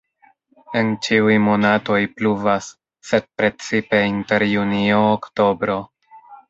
En ĉiuj monatoj pluvas, sed precipe inter junio-oktobro.